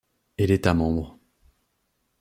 Et l’État-membre, '.